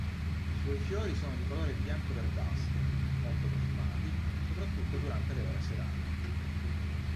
I suoi fiori sono di colore bianco-verdastro, molto profumati, soprattutto durante le ore serali.